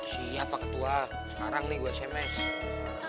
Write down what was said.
siapa ketua sekarang nih gue sms